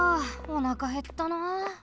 おなかへったなあ。